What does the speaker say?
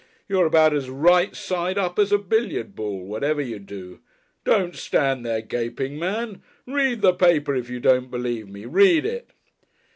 You're about as right side up as a billiard ball whatever you do. Don't stand there gaping, man! Read the paper if you don't believe me. Read it!"